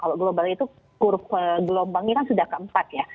kalau globalnya itu kurve gelombangnya kan sudah keempat ya